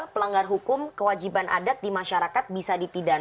pelanggar hukum kewajiban adat di masyarakat bisa dipidana